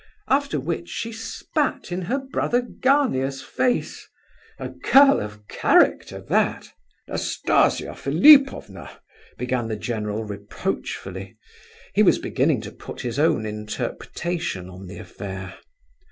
After which she spat in her brother Gania's face—a girl of character, that!" "Nastasia Philipovna!" began the general, reproachfully. He was beginning to put his own interpretation on the affair.